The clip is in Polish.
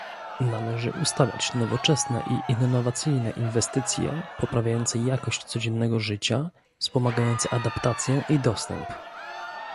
Należy ustawiać nowoczesne i innowacyjne inwestycje, poprawiające jakość codziennego życia, wspomagające adaptację i dostęp